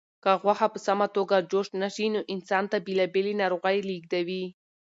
که غوښه په سمه توګه جوش نشي نو انسان ته بېلابېلې ناروغۍ لېږدوي.